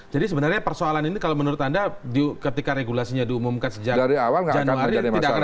jadi sebenarnya persoalan ini kalau menurut anda ketika regulasinya diumumkan sejak januari